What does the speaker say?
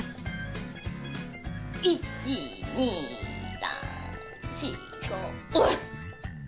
１２３４５！